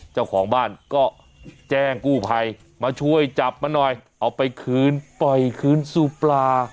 เจ้าของบ้านก็แจ้งกู้ภัยมาช่วยจับมาหน่อยเอาไปคืนปล่อยคืนสู่ปลา